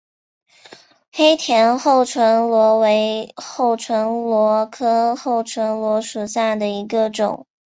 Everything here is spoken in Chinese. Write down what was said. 黑田厚唇螺为厚唇螺科厚唇螺属下的一个种。